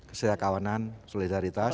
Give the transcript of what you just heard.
ada kawanan solidaritas